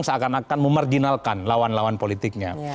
seakan akan memarginalkan lawan lawan politiknya